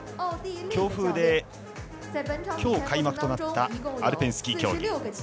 強風で今日、開幕となったアルペンスキー競技。